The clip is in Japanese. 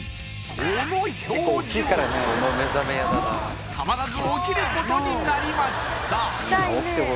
この表情たまらず起きることになりました